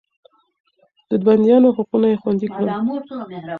د بنديانو حقونه يې خوندي کړل.